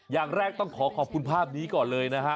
อย่างแรกต้องขอขอบคุณภาพนี้ก่อนเลยนะฮะ